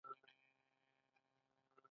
دا کار په پیل کې په دې شکل ترسره کېده